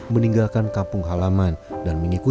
meninggalkan kampung halaman dan mengikuti